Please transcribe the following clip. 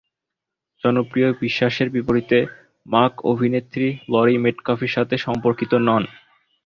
জনপ্রিয় বিশ্বাসের বিপরীতে, মার্ক অভিনেত্রী লরি মেটকাফের সাথে সম্পর্কিত নন।